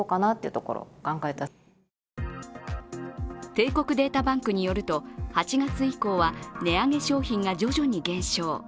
帝国データバンクによると８月以降は値上げ商品が徐々に減少